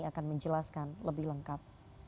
akan menjelaskan lebih lengkap